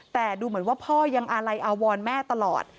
แต่ดูเหมือนว่าพ่อยังอาลัยอาวรแม่ตลอด